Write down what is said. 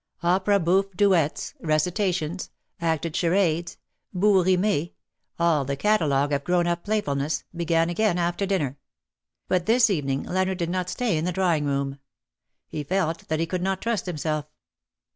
Opera boufFe duets — recitations — acted charades — bouts rimes — all the catalogue of grown up playfulness — began again after dinner; but this evening Leonard did not stay in the drawing room. He felt that he could not trust himself.